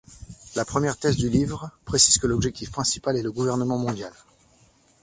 La première thèse du livre précise que l'objectif principal est le gouvernement mondial.